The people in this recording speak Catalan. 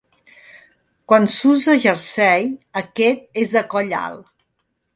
Quan s'usa jersei, aquest és de coll alt.